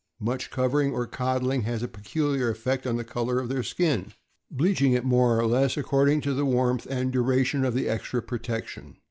Much covering or coddling has a peculiar effect on the color of their skin, bleaching it more or less, accord ing to the warmth and duration of the extra protection.